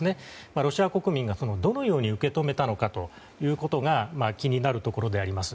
ロシア国民が、どのように受け止めたのかというところが気になるところであります。